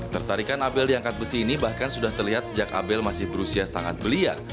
tertarikan abel di angkat besi ini bahkan sudah terlihat sejak abel masih berusia sangat belia